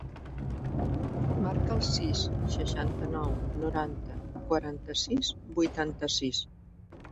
Marca el sis, seixanta-nou, noranta, quaranta-sis, vuitanta-sis.